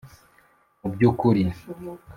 mu by'ukuri,